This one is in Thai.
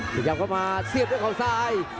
พยายามเข้ามาเสียบด้วยเขาซ้าย